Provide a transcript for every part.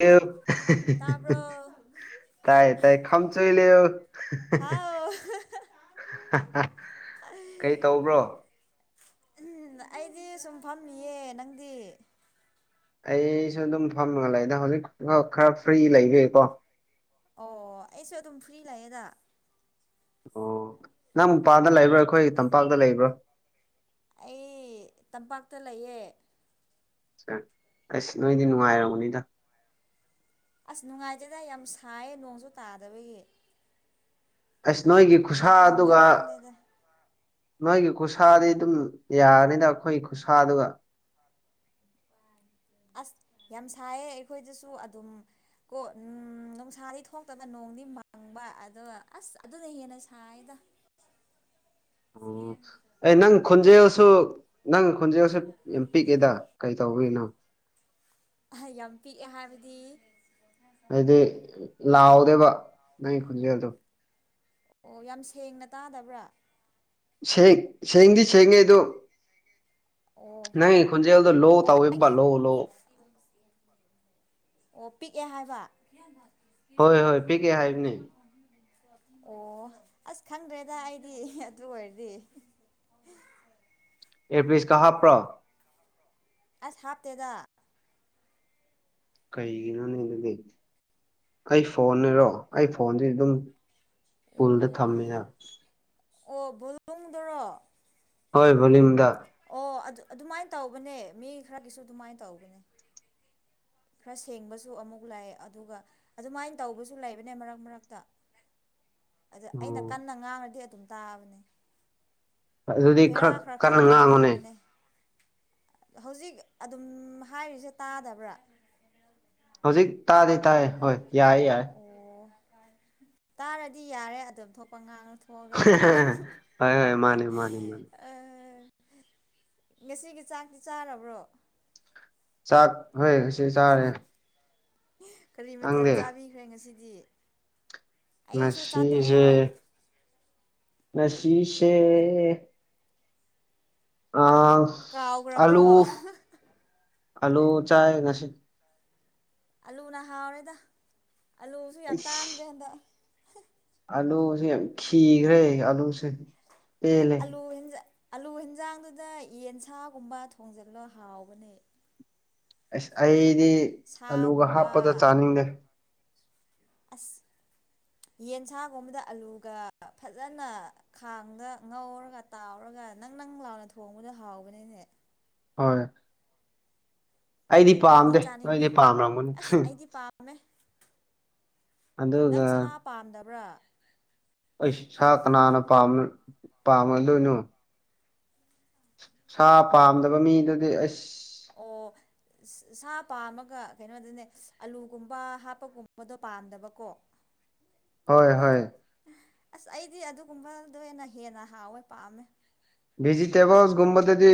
hello ꯑꯦꯜ ꯇꯥꯕ꯭ꯔꯣ ꯇꯥꯏ ꯇꯥꯏ ꯈꯝ ꯆꯣꯏꯂꯦꯑꯣ ꯍꯥꯎ ꯀꯩ ꯇꯧꯕ꯭ꯔꯣ ꯎꯝ ꯑꯩꯗꯤ ꯁꯨꯝ ꯐꯝꯃꯤꯌꯦ ꯅꯪꯗꯤ ꯑꯩꯁꯨ ꯑꯗꯨꯝ ꯐꯝꯃꯒ ꯂꯩꯗ ꯍꯧꯖꯤꯛ ꯈꯔ ꯐ꯭ꯔꯤ ꯂꯩꯕꯒꯤꯀꯣ ꯑꯣ ꯑꯩꯁꯨ ꯑꯗꯨꯝ ꯐ꯭ꯔꯤ ꯂꯩꯥꯌꯦꯗ ꯑꯣ ꯅꯪ ꯃꯄꯥꯟꯗ ꯂꯩꯕ꯭ꯔꯣ ꯑꯩꯈꯣꯏ ꯇꯝꯄꯥꯛꯇ ꯂꯩꯕ꯭ꯔꯣ ꯑꯩ ꯇꯝꯄꯥꯛꯇ ꯂꯩꯌꯦ ꯑꯁ ꯅꯣꯏꯗꯤ ꯅꯨꯡꯉꯥꯏꯔꯝꯒꯅꯤꯗ ꯑꯁ ꯅꯨꯡꯉꯥꯏꯇꯦꯗ ꯌꯥꯝ ꯁꯥꯏꯌꯦ ꯅꯣꯡꯁꯨ ꯇꯥꯗꯕꯒꯤ ꯑꯁ ꯅꯣꯏꯒꯤ ꯂꯩꯐꯝꯒ ꯈꯨꯁꯥꯗꯨꯒ ꯈꯪꯗꯦꯗ ꯅꯣꯏꯒꯤ ꯈꯨꯁꯥꯗꯤ ꯑꯗꯨꯝ ꯌꯥꯅꯤꯗ ꯑꯩꯈꯣꯏ ꯈꯨꯁꯥꯗꯨꯒ [inaudible] ꯑꯁ ꯌꯥꯝ ꯁꯥꯏꯌꯦ ꯑꯩꯈꯣꯏꯗꯁꯨ ꯑꯗꯨꯝ ꯀꯣ ꯅꯨꯡꯁꯥꯗꯤ ꯊꯣꯛꯇꯕ ꯅꯣꯡ ꯅꯣꯡꯗꯤ ꯃꯪꯕ ꯑꯗꯣ ꯑꯁ ꯑꯗꯨꯅ ꯍꯦꯟꯅ ꯁꯥꯏꯌꯦꯗ ꯑꯣ ꯑꯩ ꯅꯪ ꯈꯣꯟꯖꯦꯜ ꯁꯨ ꯅꯪ ꯈꯣꯟꯖꯦꯜꯁꯦ ꯌꯥꯝ ꯄꯤꯛꯑꯦꯗ ꯀꯩ ꯇꯧꯕꯒꯤꯅꯣ ꯌꯥꯝ ꯄꯤꯛꯑꯦ ꯍꯥꯏꯕꯗꯤ ꯍꯥꯏꯗꯤ ꯂꯥꯎꯗꯦꯕ ꯅꯪꯒꯤ ꯈꯣꯟꯖꯦꯜꯗꯣ ꯑꯣ ꯌꯥꯝ ꯁꯦꯡꯅ ꯇꯥꯗꯕ꯭ꯔꯥ ꯁꯦꯡ ꯁꯦꯡꯗꯤ ꯁꯦꯡꯉꯦ ꯑꯗꯣ ꯑꯣ ꯅꯪꯒꯤ ꯈꯣꯟꯖꯦꯜꯗꯣ ꯂꯣ ꯑꯣ ꯇꯧꯋꯦꯕ ꯑꯩꯒꯤ ꯂꯣ ꯂꯣ ꯑꯣ ꯄꯤꯛꯑꯦ ꯍꯥꯏꯕ ꯍꯣꯏ ꯍꯣꯏ ꯄꯤꯑꯦ ꯍꯥꯏꯕꯅꯦ ꯑꯣ [inaudible] ꯑꯁ ꯈꯪꯗ꯭ꯔꯦꯗ ꯑꯩꯗꯤ ꯑꯗꯨ ꯑꯣꯏꯔꯗꯤ ꯏꯔꯄꯤꯁꯀ ꯍꯥꯞꯄ꯭ꯔꯣ ꯑꯁ ꯍꯥꯞꯇꯦꯗ ꯀꯩꯒꯤꯅꯣꯅꯦ ꯑꯗꯨꯗꯤ ꯑꯩ ꯐꯣꯟꯅꯦꯔꯣ ꯑꯩ ꯐꯣꯟꯗꯤ ꯑꯗꯨꯝ ꯄꯨꯜꯗ ꯑꯣ ꯊꯝꯃꯦꯌꯥ ꯑꯣ ꯚꯣꯂꯨꯝꯗꯨꯔꯣ ꯍꯣꯏ ꯚꯣꯂꯨꯝꯗ ꯑꯣ ꯑꯗꯨ ꯑꯗꯨꯃꯥꯏꯟ ꯇꯧꯕꯅꯦ ꯃꯤ ꯈꯔꯒꯤꯁꯨ ꯑꯗꯨꯃꯥꯏ ꯇꯧꯕꯅꯦ ꯈꯔ ꯁꯦꯡꯕꯁꯨ ꯑꯃꯨꯛ ꯂꯥꯛꯑꯦ ꯑꯗꯨꯒ ꯑꯗꯨꯃꯥꯏꯟ ꯇꯧꯕꯁꯨ ꯂꯩꯕꯅꯦ ꯃꯔꯛ ꯃꯔꯛꯇ [inaudible] ꯑꯗ ꯑꯣ ꯑꯩꯅ ꯀꯟꯅ ꯉꯥꯡꯔꯗꯤ ꯑꯗꯨꯝ ꯇꯥꯕꯅꯤ ꯑꯗꯨꯗꯤ ꯈꯔ ꯀꯟꯅ ꯉꯥꯡꯉꯨꯅꯦ ꯀꯥꯕꯅꯦ ꯍꯧꯖꯤꯛ ꯑꯗꯨꯝ ꯍꯥꯏꯔꯤꯁꯦ ꯇꯥꯗꯕ꯭ꯔꯥ ꯍꯧꯖꯤꯛ ꯇꯥꯗꯤ ꯇꯥꯏ ꯍꯣꯏ ꯌꯥꯏꯌꯦ ꯌꯥꯏ ꯑꯣ ꯇꯥꯔꯗꯤ ꯌꯥꯔꯦ ꯑꯗꯨꯝ ꯊꯣꯛꯄ ꯉꯥꯡꯉ ꯊꯣꯛꯑꯒ ꯂꯣꯏꯔꯦ ꯍꯣꯏ ꯍꯣꯏ ꯃꯥꯅꯦ ꯃꯥꯅꯦ ꯃꯥꯅꯦ ꯑ ꯉꯁꯤꯒꯤ ꯆꯥꯛꯇꯤ ꯆꯥꯔꯕ꯭ꯔꯣ ꯆꯥꯛ ꯍꯣꯏ ꯉꯁꯤ ꯆꯥꯔꯦ ꯀꯔꯤ ꯃꯊꯦꯜ ꯅꯪꯗꯤ ꯆꯥꯕꯤꯈ꯭ꯔꯦ ꯉꯁꯤꯗꯤ ꯑꯩꯁꯨ ꯆꯥꯊꯣꯛꯑꯦ ꯉꯁꯤꯖꯦ ꯍꯣꯏ ꯅꯁꯤꯁꯦ ꯑꯪ ꯀꯥꯎꯈ꯭ꯔꯕ꯭ꯔꯣ ꯑꯂꯨ ꯑꯥꯂꯨ ꯆꯥꯏ ꯉꯁꯤ ꯑꯂꯨꯅ ꯍꯥꯎꯔꯦꯗ ꯑꯂꯨꯁꯨ ꯌꯥꯝ ꯇꯥꯡꯈ꯭ꯔꯦ ꯑꯩꯁ ꯍꯟꯗꯛ ꯑꯥꯂꯨꯁꯦ ꯌꯥꯝ ꯈꯤꯈ꯭ꯔꯦ ꯑꯂꯨꯁꯦ ꯑꯂꯨ ꯍꯦꯟꯖ ꯑꯂꯨ ꯍꯦꯟꯖꯥꯡꯗꯨꯗ ꯌꯦꯟꯁꯥꯒꯨꯝꯕ ꯊꯣꯡꯖꯤꯜꯂꯣ ꯍꯥꯎꯕꯅꯦ ꯑꯁ ꯑꯩꯗꯤ ꯑꯂꯨꯒ ꯁꯥꯒꯨꯝꯕ ꯍꯥꯞꯄꯗ ꯆꯥꯅꯤꯡꯗꯦ ꯑꯁ ꯌꯦꯟꯁꯥꯒꯨꯝꯕꯗ ꯑꯂꯨꯒ ꯐꯖꯅ ꯈꯥꯡꯗ ꯉꯧꯔꯒ ꯇꯥꯎꯔꯒ ꯅꯪ ꯅꯪ ꯂꯥꯎꯅ ꯊꯣꯡꯕꯗꯨ ꯍꯥꯎꯕꯅꯤꯅꯦ ꯍꯣꯏ ꯑꯩꯗꯤ ꯄꯥꯝꯗꯦ ꯅꯣꯏꯗꯤ ꯄꯥꯝꯔꯝꯒꯅꯤ ꯑꯁ ꯑꯩꯗꯤ ꯄꯥꯝꯃꯦ ꯑꯗꯨꯒ ꯅꯪ ꯁꯥ ꯄꯥꯝꯗꯕ꯭ꯔꯥ ꯑꯩꯥꯁ ꯁꯥ ꯀꯅꯥꯅ ꯄꯥꯝ ꯄꯥꯝꯃꯗꯣꯏꯅꯣ ꯁꯥ ꯄꯥꯝꯗꯕ ꯃꯤꯗꯨꯗꯤ ꯑꯩꯁ ꯑꯣ ꯁ ꯁꯥ ꯄꯥꯝꯃꯒ ꯀꯩꯅꯣꯗꯨꯅꯦ ꯑꯂꯨꯒꯨꯝꯕ ꯍꯥꯞꯄꯒꯨꯝꯕꯗꯣ ꯄꯥꯝꯗꯕꯀꯣ ꯍꯣꯏ ꯍꯣꯏ ꯑꯁ ꯑꯩꯗꯤ ꯑꯗꯨꯒꯨꯝꯕꯗꯣꯏꯅ ꯍꯦꯟꯅ ꯍꯥꯎꯋꯦ ꯄꯥꯝꯃꯦ ꯚꯦꯖꯤꯇꯦꯕꯜꯁꯒꯨꯝꯕꯗꯗꯤ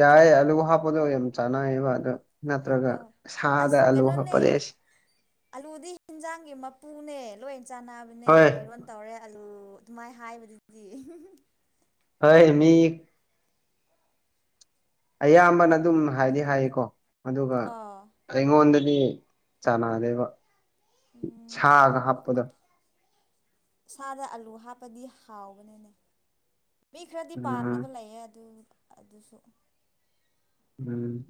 ꯌꯥꯏ ꯑꯂꯨ ꯍꯥꯞꯄꯗꯣ ꯌꯥꯝ ꯆꯥꯟꯅꯩꯌꯦꯕ ꯑꯗꯣ ꯅꯠꯇ꯭ꯔꯒ ꯑꯧ ꯁꯥꯗ ꯑꯁ ꯑꯂꯨ ꯀꯩꯅꯣꯅꯦ ꯍꯞꯄꯗꯤ ꯑꯦꯁ ꯑꯂꯨꯗꯤ ꯍꯤꯟꯖꯥꯡꯒꯤ ꯃꯄꯨꯅꯦ ꯂꯣꯏꯅ ꯆꯥꯟꯅꯕꯅꯦ ꯍꯣꯏ ꯏꯔꯣꯟ ꯇꯧꯔꯦ ꯑꯂꯨ ꯂꯨ ꯑꯗꯨꯃꯥꯏ ꯍꯥꯏꯕꯗꯨꯗꯤ ꯍꯩ ꯃꯤ ꯑꯌꯥꯝꯕꯅ ꯑꯗꯨꯝ ꯍꯥꯏꯗꯤ ꯍꯥꯏꯌꯦꯀꯣ ꯑꯗꯨꯒ ꯑꯥ ꯑꯩꯉꯣꯟꯗ ꯗꯤ ꯆꯥꯟꯅꯗꯦꯕ ꯎꯝ ꯁꯥꯒ ꯍꯥꯞꯄꯗꯣ ꯁꯥꯗ ꯑꯂꯨ ꯍꯥꯞꯄꯗꯤ ꯍꯥꯎꯕꯅꯤꯅꯦ ꯃꯤ ꯈꯔꯗꯤ ꯎꯝ ꯄꯥꯝꯗꯕ ꯂꯩꯌꯦ ꯑꯗꯨ ꯑꯗꯨꯁꯨ ꯎꯝ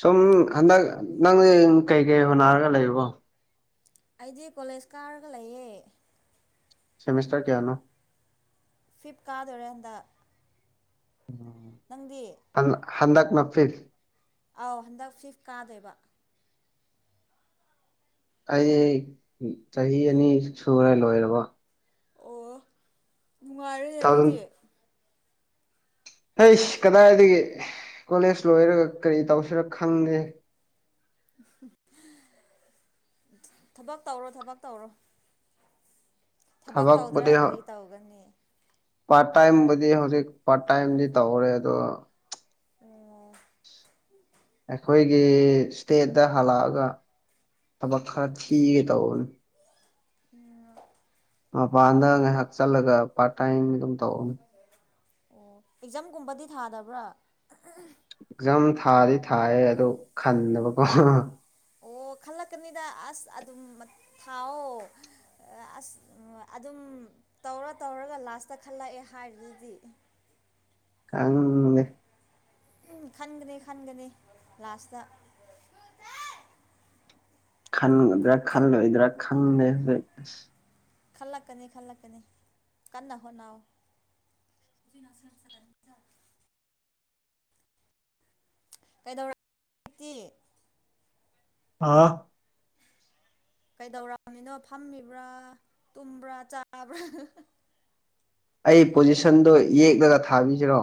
ꯁꯨꯝ ꯍꯟꯗꯛ ꯅꯪꯅꯦ ꯀꯩꯀꯩ ꯍꯣꯅꯔꯒ ꯂꯩꯕꯣ ꯑꯩꯗꯤ ꯀꯣꯂꯦꯖ ꯀꯥꯔꯒ ꯂꯩꯌꯦ ꯁꯦꯃꯦꯁꯇꯔ ꯀꯌꯥꯅꯣ ꯐꯤꯞ ꯀꯥꯗꯣꯔꯦ ꯍꯟꯗꯛ ꯅꯪꯗꯤ ꯍꯟꯗꯛꯅ ꯐꯤꯐ ꯑꯧ ꯍꯟꯗꯛ ꯐꯤꯐ ꯀꯥꯗꯣꯏꯕ ꯑꯩ ꯆꯍꯤ ꯑꯅꯤ ꯁꯨꯔꯦ ꯂꯣꯏꯔꯕ ꯑꯣ ꯇꯨ ꯅꯨꯡꯉꯥꯏꯔꯦꯅꯦ ꯊꯥꯎꯖꯟ ꯑꯗꯨꯗꯤ ꯑꯩꯁ ꯀꯗꯥꯏꯗꯒꯤ ꯀꯣꯂꯦꯖ ꯂꯣꯏꯔꯒ ꯀꯔꯤ ꯇꯧꯁꯤꯔ ꯈꯪꯗꯦ ꯊꯕꯛ ꯇꯧꯔꯣ ꯊꯕꯛ ꯇꯧꯔꯣ ꯊꯕꯛ ꯇꯧꯗ꯭ꯔ ꯊꯕꯛꯄꯨꯗꯤ ꯀꯔꯤ ꯇꯧꯒꯅꯤ ꯄꯥꯔꯠ ꯇꯥꯏꯝꯕꯨꯗꯤ ꯍꯧꯖꯤꯛ ꯄꯥꯔꯠ ꯇꯥꯏꯝꯗꯤ ꯇꯧꯔꯦ ꯑꯗꯣ ꯑꯣ ꯑꯩꯈꯣꯏꯒꯤ ꯏꯁꯇꯦꯠꯇ ꯍꯜꯂꯛꯑꯒ ꯊꯕꯛ ꯈꯔ ꯊꯤꯒꯦ ꯇꯧꯕꯅꯦ [unintelligible] ꯃꯄꯥꯟꯗ ꯉꯥꯏꯍꯥꯛ ꯆꯠꯂꯒ ꯄꯥꯔꯠ ꯇꯥꯏꯝ ꯑꯗꯨꯝ ꯇꯧꯅꯦ ꯑꯣ ꯑꯦꯛꯖꯥꯝꯒꯨꯝꯕꯗꯤ ꯊꯥꯗꯕ꯭ꯔꯥ ꯑꯦꯛꯖꯥꯝ ꯊꯥꯗꯤ ꯊꯥꯏꯌꯦ ꯑꯗꯨ ꯈꯟꯗꯕꯀꯣ ꯑꯣ ꯈꯜꯂꯛꯀꯅꯤꯗ ꯑꯁ ꯑꯗꯨꯝ ꯊꯥꯎꯑꯣ ꯑꯁ ꯑꯗꯨꯝ ꯇꯧꯔ ꯇꯧꯔꯒ ꯂꯥꯁꯇ ꯈꯜꯂꯛꯑꯦ ꯍꯥꯏꯔꯤꯗꯨꯗꯤ ꯈꯪꯗꯦ ꯎꯝ ꯈꯟꯒꯅꯤ ꯈꯟꯒꯅꯤ ꯂꯥꯁꯇ ꯈꯟꯒꯗ꯭ꯔꯥ ꯈꯜꯂꯣꯏꯗ꯭ꯔꯥ ꯈꯪꯗꯦ ꯇꯧꯏꯁꯦ ꯑꯁ ꯈꯜꯂꯛꯀꯅꯤ ꯈꯜꯂꯛꯀꯅꯤ ꯀꯟꯅ ꯍꯣꯠꯅꯧ [unintelligible] ꯀꯩꯗꯧꯔꯛ ꯇꯤ ꯍꯥꯥ ꯀꯩꯗꯧꯔꯝꯃꯤꯅꯣ ꯐꯝꯃꯤꯕ꯭ꯔꯥ ꯇꯨꯝꯕ꯭ꯔꯥ ꯆꯥꯕ꯭ꯔꯥ ꯑꯩ ꯄꯣꯖꯤꯁꯟꯗꯣ ꯌꯦꯛꯂꯒ ꯊꯥꯕꯤꯁꯤꯔꯣ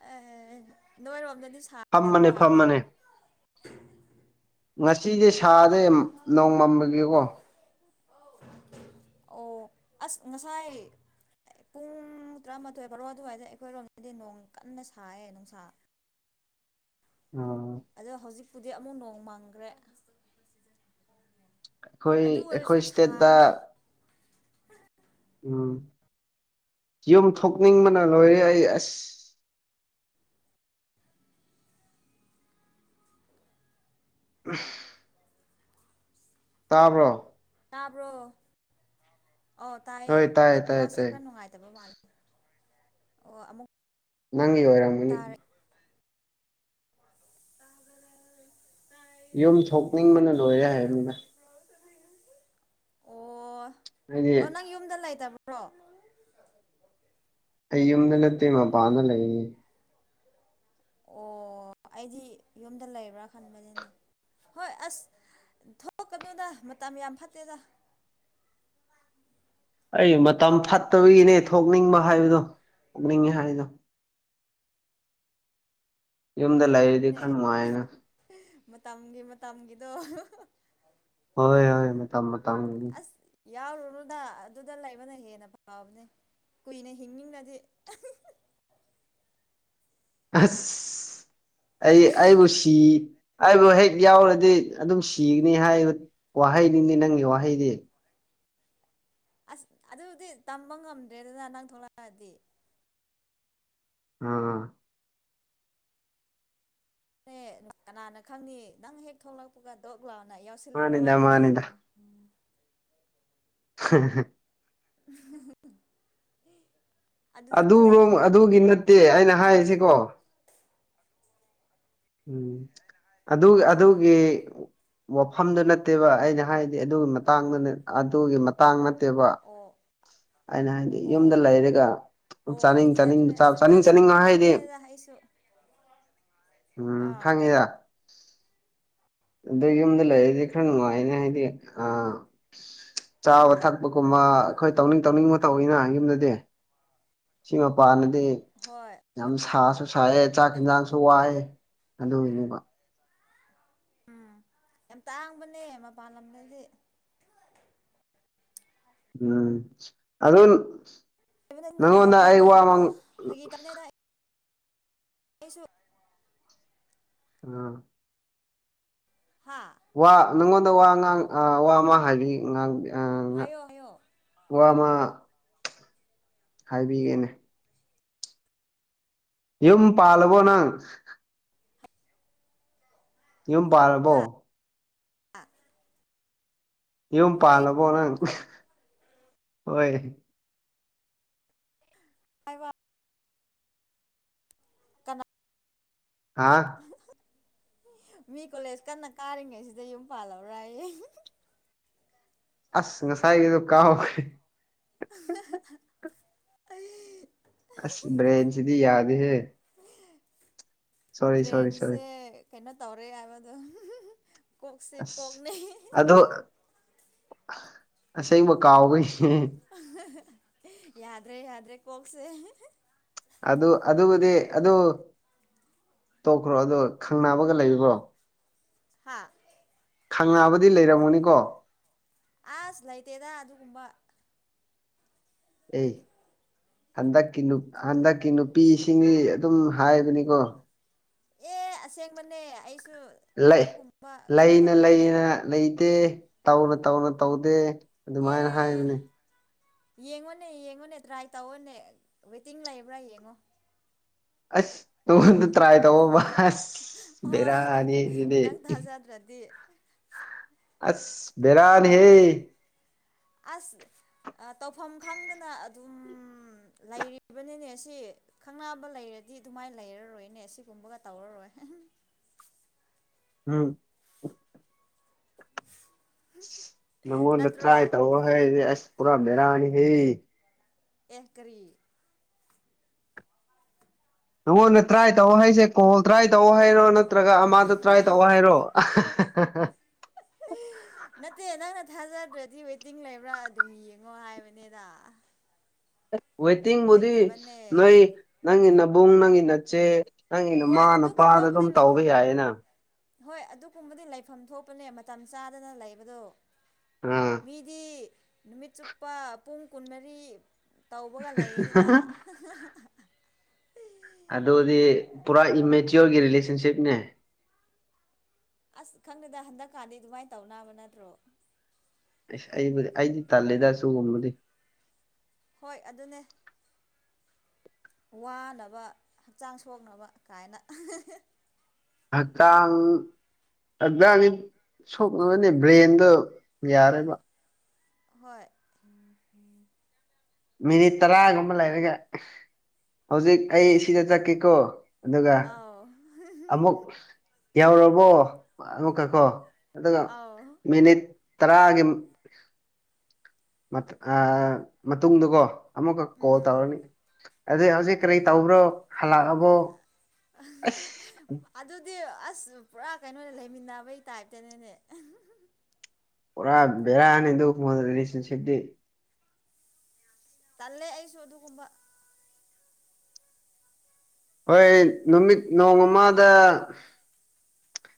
ꯑ ꯅꯣꯏ ꯔꯣꯝꯗꯗꯤ ꯐꯝ ꯕꯅꯦ ꯐꯝꯕꯅꯦ ꯉꯁꯤ ꯁꯤꯁꯦ ꯁꯥꯗꯦ ꯅꯧꯃꯟꯕꯒꯤꯀꯣ [inaudible] ꯑꯣ ꯑꯁ ꯉꯁꯥꯏ ꯄꯨꯡ ꯇꯔꯥꯃꯥꯊꯣꯏ ꯕꯥꯔꯣ ꯑꯗꯨꯋꯥꯏꯗ ꯑꯩꯈꯣꯏꯔꯣꯝꯗꯗꯤ ꯅꯣꯡ ꯀꯟꯅ ꯁꯥꯏꯌꯦ ꯅꯨꯡꯁꯥ ꯎꯝ ꯍꯧꯖꯤꯛ ꯑꯃꯨꯛ ꯅꯣꯡ ꯃꯪꯈ꯭ꯔꯦ ꯑꯩꯈꯣꯏ ꯑꯗꯨ ꯑꯩꯈꯣꯏ ꯑꯣꯏꯔꯁꯨ ꯏꯁꯇꯦꯠꯇ ꯁꯥꯏꯅꯦ ꯎꯝ ꯌꯨꯝ ꯊꯣꯛꯅꯤꯡꯕꯅ ꯂꯣꯏꯔꯦ ꯑꯩ ꯑꯁ [inaudible] ꯑꯝ ꯇꯥꯕ꯭ꯔꯣ ꯇꯥꯕ꯭ꯔꯣ ꯑꯧ ꯇꯥꯏꯌꯦ ꯍꯣꯏ ꯅꯦꯠ ꯇꯥꯏꯌꯦ ꯋꯥꯛꯁꯦ ꯇꯥꯏꯌꯦ ꯈꯔ ꯅꯨꯡꯉꯥꯏꯇꯕ ꯃꯥꯜꯂꯦ ꯑꯣ ꯑꯃꯨꯛ ꯅꯪꯒꯤ ꯑꯣꯏꯔꯝꯒꯅꯤ ꯇꯥꯔꯦ ꯌꯨꯝ ꯊꯣꯛꯅꯤꯡꯕꯅ ꯂꯣꯏꯔꯦ ꯍꯥꯏꯅꯦꯗ ꯑꯣ ꯍꯥꯏꯗꯤ ꯑꯣ ꯅꯪ ꯌꯨꯝꯗ ꯂꯩꯇꯕ ꯕ꯭ꯔꯣ ꯑꯩ ꯌꯨꯝꯗ ꯅꯠꯇꯦ ꯃꯥꯄꯥꯟꯗ ꯂꯩ ꯑꯣ ꯑꯩꯗꯤ ꯌꯨꯝꯗ ꯂꯩꯕ꯭ꯔꯥ ꯈꯟꯕꯅꯤꯅꯦ ꯍꯣꯏ ꯑꯁ ꯊꯣꯛꯀꯅꯨꯗ ꯃꯇꯝ ꯌꯥꯝ ꯐꯠꯇꯦꯗ [inaudible] ꯑꯩ ꯃꯇꯝ ꯐꯠꯇꯕꯒꯤꯅꯦ ꯊꯣꯛꯅꯤꯡꯕ ꯍꯥꯏꯕꯗꯣ ꯊꯣꯛꯅꯤꯡꯉꯦ ꯍꯥꯏꯗꯣ ꯌꯨꯝꯗ ꯂꯩꯔꯗꯤ ꯈꯔ ꯑꯦ ꯅꯨꯡꯉꯥꯏꯅ ꯃꯇꯝꯒꯤ ꯃꯇꯝꯒꯤꯗꯣ ꯍꯣꯏ ꯍꯣꯏ ꯃꯇꯝ ꯃꯇꯝꯒꯤꯅꯤ ꯑꯁ ꯌꯥꯎꯔꯨꯅꯨꯗ ꯑꯗꯨꯗ ꯂꯩꯕꯅ ꯍꯦꯟꯅ ꯐꯕꯅꯦ ꯀꯨꯏꯅ ꯍꯤꯡꯅꯤꯛꯂꯗꯤ ꯑꯁ ꯑꯩ ꯑꯩꯕꯨ ꯁꯤ ꯑꯩꯕꯨ ꯍꯦꯛ ꯌꯥꯎꯔꯗꯤ ꯑꯗꯨꯝ ꯁꯤꯒꯅꯤ ꯍꯥꯏꯕ ꯋꯥꯍꯩꯅꯤꯅꯦ ꯅꯪꯒꯤ ꯋꯥꯍꯩꯗꯤ ꯑꯁ ꯑꯗꯨꯗꯤ ꯇꯝꯕ ꯉꯝꯗ꯭ꯔꯦꯗꯅ ꯅꯪ ꯊꯣꯛꯂꯛꯑꯗꯤ ꯑꯥ ꯅꯦ ꯀꯅꯥꯅ ꯈꯪꯅꯤ ꯅꯪ ꯍꯦꯛ ꯊꯣꯛꯂꯛꯄꯒ ꯗꯣꯛ ꯂꯥꯎ ꯅꯥ ꯌꯥꯎꯁꯤꯜꯂꯨꯔꯣ ꯃꯥꯅꯤꯗ ꯍꯥꯏꯔꯗꯤ ꯃꯥꯅꯤꯗ [unintelligible] [unintelligible] ꯂꯩ ꯑꯗꯨꯔꯣꯝ ꯑꯗꯨꯒꯤ ꯅꯠꯇꯦ ꯑꯩꯅ ꯍꯥꯏꯔꯤꯁꯤꯀꯣ ꯎꯝ ꯑꯗꯨꯒꯤ ꯎꯝ ꯑꯗꯨꯒꯤ ꯋꯥꯐꯝꯗꯨ ꯅꯠꯇꯦꯕ ꯑꯩꯅ ꯍꯥꯏꯗꯤ ꯑꯗꯨꯒꯤ ꯃꯇꯥꯡꯗ ꯅꯦ ꯑꯗꯨꯒꯤ ꯃꯇꯥꯡ ꯅꯠ ꯇꯦꯕ ꯑꯣ ꯑꯩꯅ ꯍꯥꯏꯗꯤ ꯑꯣ ꯌꯨꯝꯗ ꯂꯩꯔꯒ ꯑꯣ ꯆꯥꯅꯤꯡ ꯑꯩꯗꯤ ꯑꯗꯨ ꯆꯥꯅꯤꯡꯕ ꯑꯦꯁ ꯆꯥꯕ ꯆꯨꯝꯅ ꯆꯥꯅꯤꯡ ꯑꯁꯨꯝ ꯆꯥꯅꯤꯡꯕ ꯍꯥꯏꯗꯤ ꯍꯥꯏꯕꯅꯦꯗ ꯑꯩꯁꯨ ꯎꯝ ꯑꯥ ꯈꯪꯉꯦꯗ ꯑꯗꯨ ꯌꯨꯝꯗ ꯂꯩꯔꯗꯤ ꯈꯔ ꯅꯨꯡꯉꯥꯏꯅ ꯍꯥꯏꯗꯤ ꯑꯥ ꯆꯥꯕ ꯊꯛ ꯄꯒꯨꯝꯕ ꯑꯩꯈꯣꯏ ꯑꯣ ꯇꯧꯅꯤꯡ ꯇꯧꯅꯤꯡꯕ ꯇꯧꯏꯅ ꯌꯨꯝꯗꯗꯤ ꯁꯤ ꯃꯄꯥꯟ ꯗꯤ ꯍꯣꯏ ꯌꯥꯝ ꯑꯗꯨꯃꯥꯏ ꯁꯥꯁꯨ ꯁꯥꯏꯑꯦ ꯆꯥꯛ ꯇꯧꯋꯦ ꯍꯤꯟꯖꯥꯡꯁꯨ ꯋꯥꯌꯦ ꯑꯗꯨꯒꯤꯅꯤꯕ ꯎꯝ ꯌꯥꯝ ꯇꯥꯡꯕꯅꯦ ꯃꯄꯥꯟ ꯂꯝꯗꯗꯤ ꯎꯝ ꯑꯗꯨꯨ ꯂꯩꯕꯅ ꯅꯨꯡꯉꯥꯏꯕꯅꯤꯗ ꯌꯨꯝꯗ ꯐꯒꯤ ꯇꯥꯎꯅꯦꯗ ꯑꯩꯁꯨ ꯑꯥ ꯍꯥ ꯋꯥ ꯅꯪꯉꯣꯟꯗ ꯋꯥꯥ ꯉꯥꯡ ꯑꯥ ꯋꯥ ꯑꯃꯥ ꯍꯥꯏꯕꯤꯥ ꯉꯥꯡꯕꯤꯒꯦ ꯍꯥꯏꯌꯣ ꯍꯥꯏꯌꯣ ꯋꯥ ꯑꯃꯥ ꯍꯥꯏꯕꯤꯒꯦꯅꯦ ꯌꯨꯝ ꯄꯥꯜꯂꯕꯣ ꯅꯪ ꯌꯨꯝ ꯄꯥꯔꯕꯣ ꯍꯥ [inaudible] ꯌꯨꯝ ꯑꯩ ꯄꯥꯜꯂꯕꯣ ꯅꯪ ꯍꯣꯏ [unintelligible] ꯀꯅꯥ ꯍꯥꯥ ꯃꯤ ꯀꯣꯂꯦꯖ ꯀꯟꯅ ꯀꯥꯔꯤꯉꯩꯁꯤꯗ ꯌꯨꯝ ꯄꯥꯜꯂꯕ꯭ꯔ ꯌꯦ ꯑꯁ ꯉꯁꯥꯏꯒꯤꯗꯨ ꯀꯥꯎꯈ꯭ꯔꯦ ꯍꯥꯍꯥ ꯑꯁ ꯕ꯭ꯔꯦꯟꯁꯤꯗꯤ ꯌꯥꯗꯦꯍꯦ ꯁꯣꯔꯤ ꯁꯣꯔꯤ ꯁꯣꯔꯤ ꯕ꯭ꯔꯦꯟꯁꯦ ꯀꯩꯅꯣ ꯇꯧꯔꯦ ꯍꯥꯏꯕꯗꯣ ꯀꯣꯛꯁꯦ ꯑꯁ ꯀꯣꯛꯅꯦ ꯑꯗꯣ ꯑꯁꯦꯡꯕ ꯀꯥꯥꯎꯕꯒꯤꯅꯦ ꯌꯥꯗ꯭ꯔꯦ ꯌꯥꯗ꯭ꯔꯦ ꯀꯣꯛꯁꯦ ꯑꯗꯨ ꯑꯗꯨꯕꯨꯗꯤ ꯑꯗꯨ ꯇꯣꯛꯈ꯭ꯔꯣ ꯑꯗꯨ ꯈꯪꯅꯕꯒ ꯂꯩꯕ꯭ꯔꯣ ꯍꯥ ꯈꯪꯅꯕꯗꯤ ꯂꯩꯔꯝꯒꯅꯤꯀꯣ ꯑꯁ ꯂꯩꯇꯦꯗ ꯑꯗꯨꯒꯨꯝꯕ ꯑꯦ ꯍꯟꯗꯛꯀꯤ ꯍꯟꯗꯛꯀꯤ ꯅꯨꯄꯤꯁꯤꯡꯗꯤ ꯑꯗꯨꯝ ꯍꯥꯏꯕꯅꯤꯀꯣ ꯑꯦ ꯑꯁꯦꯡꯕꯅꯦ ꯑꯩꯁꯨ ꯂꯩ ꯑꯗꯨꯒꯨꯝꯕ ꯀꯩꯅꯣ ꯇꯧꯕꯅꯤꯗ ꯅꯠꯇꯦ ꯇꯧꯅ ꯇꯧꯅ ꯇꯧꯗꯦ ꯑꯗꯨꯃꯥꯏꯅ ꯑꯦ ꯍꯥꯏꯕꯅꯤ ꯌꯦꯡꯉꯣꯅꯦ ꯌꯦꯡꯉꯣꯅꯦ ꯇ꯭ꯔꯥꯏ ꯇꯧꯑꯣꯅꯦ ꯋꯦꯇꯤꯡ ꯂꯩꯕ꯭ꯔꯥ ꯌꯦꯡꯉꯣ ꯑꯁ ꯇꯧꯍꯜꯂꯣ ꯇ꯭ꯔꯥꯏ ꯇꯧꯋꯣꯕ ꯑꯁ ꯍꯣꯏ ꯕꯦꯔꯥꯅꯤꯁꯤꯗꯤ ꯅꯪ ꯊꯥꯖꯗ꯭ꯔꯗꯤ ꯑꯁ ꯕꯦꯔꯥꯅꯤ ꯍꯦ ꯑꯁ ꯇꯧꯐꯝ ꯈꯪꯗꯅ ꯑꯗꯨꯝ ꯂꯩꯔꯤꯕꯅꯤꯅꯦ ꯑꯁꯤ ꯈꯪꯅꯕ ꯂꯩꯔꯗꯤ ꯑꯗꯨꯃꯥꯏꯅ ꯂꯩꯔꯔꯣꯏꯅꯦ ꯁꯤꯒꯨꯝꯕꯒ ꯇꯧꯔꯔꯣꯏ ꯎꯝ ꯅꯪꯉꯣꯟꯗ ꯅꯠꯇ꯭ꯔꯣ ꯇ꯭ꯔꯥꯏ ꯇꯧꯋꯣ ꯍꯥꯏꯔꯗꯤ ꯑꯁ ꯄꯨꯔꯥ ꯕꯦꯔꯥꯅꯤꯍꯦ ꯑꯦ ꯀꯔꯤ ꯅꯉꯣꯟꯗ ꯇ꯭ꯔꯥꯏ ꯇꯧ ꯍꯥꯏꯁꯦ ꯀꯣꯜ ꯇ꯭ꯔꯥꯏ ꯇꯧ ꯍꯥꯏꯔꯣ ꯅꯠꯇ꯭ꯔꯒ ꯑꯃꯗꯣ ꯇ꯭ꯔꯥꯏ ꯇꯧ ꯍꯥꯏꯔꯣ ꯍꯥꯍꯥ ꯅꯠꯇꯦ ꯅꯪꯅ ꯊꯥꯖꯗ꯭ꯔꯗꯤ ꯋꯦꯇꯤꯡ ꯂꯩꯕ꯭ꯔꯥ ꯑꯗꯨꯝ ꯌꯦꯡꯉꯣ ꯍꯥꯏꯕꯅꯤꯗ ꯋꯦꯇꯤꯡꯕꯨꯗꯤ ꯂꯩꯇꯕꯅꯦ ꯅꯣꯏ ꯅꯪꯒꯤ ꯅꯕꯨꯡ ꯅꯪꯒꯤ ꯅꯆꯦ ꯅꯪꯒꯤ ꯅꯃ ꯍꯣꯏ ꯅꯄꯥꯗ ꯑꯗꯨꯝ ꯑꯗꯨꯒꯨꯝꯕꯕꯨꯗꯤ ꯇꯧꯕ ꯂꯩꯐꯝ ꯌꯥꯏꯌꯦꯅ ꯍꯣꯏ ꯑꯗꯨꯒꯨꯝꯕꯗꯤ ꯂꯩꯐꯝ ꯊꯣꯛꯄꯅꯦ ꯃꯇꯝ ꯆꯥꯗꯅ ꯂꯩꯕꯗꯣ ꯑꯥ ꯃꯤꯗꯤ ꯅꯨꯃꯤꯠ ꯆꯨꯞꯄ ꯄꯨꯡ ꯀꯨꯟꯃꯔꯤ ꯇꯧꯕꯒ ꯂꯩꯌꯦꯗꯅ ꯑꯗꯨꯗꯤ ꯄꯨꯔꯥ ꯏꯝꯃꯦꯆꯤꯌꯣꯔꯒꯤ ꯔꯤꯂꯦꯁꯟꯁꯤꯞꯅꯦ ꯑꯁ ꯈꯪꯗꯦꯗ ꯍꯟꯗꯛꯀꯥꯟꯗꯤ ꯑꯗꯨꯃꯥꯏꯅ ꯇꯧꯅꯕ ꯅꯠꯇ꯭ꯔꯣ ꯑꯁ ꯑꯩꯗꯤ ꯇꯜꯂꯤꯗ ꯑꯁꯤꯒꯨꯝꯕꯗꯤ ꯍꯣꯏ ꯑꯗꯨꯅꯦ ꯋꯥꯅꯕ ꯍꯛꯆꯥꯡ ꯁꯣꯛꯅꯕ ꯀꯥꯏꯅ ꯍꯛꯆꯥꯡ ꯑꯗꯨꯗꯡꯒꯤ ꯁꯣꯛꯅꯕꯅꯦ ꯕ꯭ꯔꯦꯟꯗꯣ ꯌꯥꯔꯦꯕ ꯍꯣꯏ ꯃꯤꯅꯤꯠ ꯇꯔꯥꯒꯨꯝꯕ ꯂꯩꯔꯒ ꯍꯧꯖꯤꯛ ꯑꯩ ꯁꯤꯗ ꯆꯠꯀꯦꯀꯣ ꯑꯗꯨꯒ ꯑꯥꯎ ꯑꯃꯨꯛ ꯌꯧꯔꯥꯕꯣ ꯑꯃꯨꯛꯀ ꯀꯣ ꯑꯗꯨꯒ ꯑꯥꯎ ꯃꯤꯅꯤꯠ ꯇꯔꯥꯒꯤ ꯃꯇꯨꯡꯗꯨꯀꯣ ꯑꯃꯨꯛꯀ ꯀꯣꯜ ꯎꯝ ꯇꯧꯔꯅꯤ ꯑ ꯍꯧꯖꯤꯛ ꯀꯔꯤ ꯇꯧꯕ꯭ꯔꯣ ꯍꯜꯂꯛꯑꯕꯣ ꯑꯁ ꯑꯗꯨꯗꯤ ꯑꯁ ꯄꯨꯔꯥ ꯀꯩꯅꯣꯅꯦ ꯂꯩꯃꯤꯟꯅꯕꯩ ꯇꯥꯏꯞꯇꯅꯅꯦ ꯄꯨꯔ ꯕꯦꯔꯅꯦ ꯑꯗꯨ ꯔꯤꯂꯦꯁꯟꯁꯤꯞ ꯇꯨꯗꯤ ꯇꯜꯂꯦ ꯑꯩꯁꯨ ꯑꯗꯨꯒꯨꯝꯕ ꯍꯣꯏ ꯅꯨꯃꯤꯠ ꯅꯣꯡ ꯑꯃꯗ